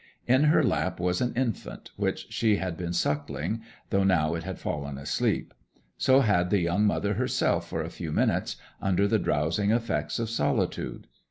In her lap was an infant, which she had been suckling, though now it had fallen asleep; so had the young mother herself for a few minutes, under the drowsing effects of solitude.